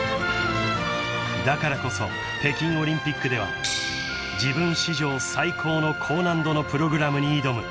［だからこそ北京オリンピックでは自分史上最高の高難度のプログラムに挑む］